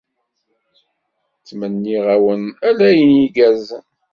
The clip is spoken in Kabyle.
Ttmenniɣ-awen ala ayen igerrzen.